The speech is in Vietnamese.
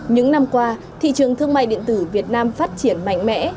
những năm qua thị trường thương mại điện tử việt nam phát triển mạnh mẽ